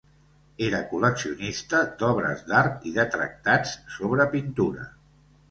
Era col·leccionista d'obres d'art i de tractats sobre pintura.